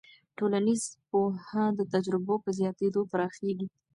ټولنیز پوهه د تجربو په زیاتېدو پراخېږي.